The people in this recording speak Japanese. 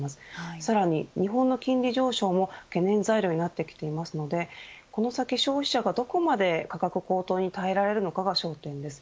さらに、日本の金利上昇も懸念材料になってきていますのでこの先消費者がどこまで価格高騰に耐えられるのかが焦点です。